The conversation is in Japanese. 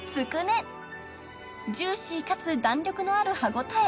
［ジューシーかつ弾力のある歯応え］